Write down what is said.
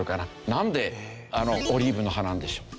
なんでオリーブの葉なんでしょう？